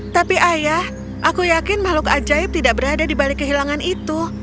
tapi ayah aku yakin makhluk ajaib tidak berada di balik kehilangan itu